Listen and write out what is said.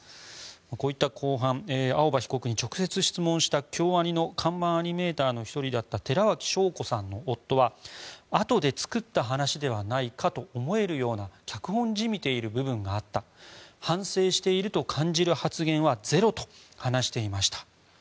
こういった公判青葉被告に直接質問した京アニの看板アニメーターの１人だった寺脇晶子さんの夫はあとで作った話ではないかと思えるような脚本じみている部分があった反省していると感じる発言はゼロと話していました。